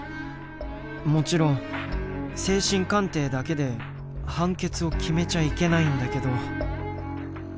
もちろん精神鑑定だけで判決を決めちゃいけないんだけど。